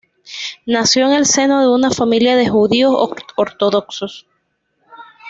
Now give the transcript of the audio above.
Nació en el seno de una familia de judíos ortodoxos.